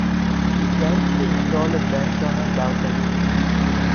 She plans to install a bench on her balcony.